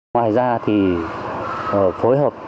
ngoài ra thì phối hợp